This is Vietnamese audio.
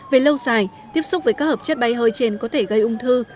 về lâu dài tiếp xúc với các hợp chất bay hơi trên có thể gây ung thư